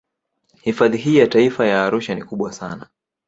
Hifadhi hii ya Taifa ya Arusha ni kubwa sana